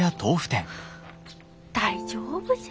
大丈夫じゃ。